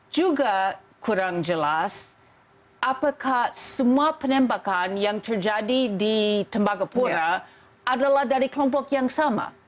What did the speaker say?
juga kurang jelas apakah semua penembakan yang terjadi di tembagapura adalah dari kelompok yang sama